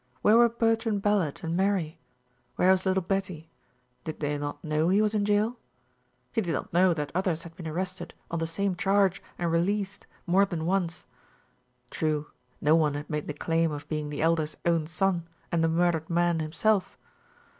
Where were Bertrand Ballard and Mary? Where was little Betty? Did they not know he was in jail? He did not know that others had been arrested on the same charge and released, more than once. True, no one had made the claim of being the Elder's own son and the murdered man himself.